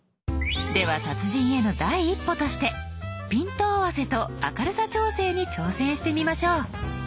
では達人への第一歩としてピント合わせと明るさ調整に挑戦してみましょう。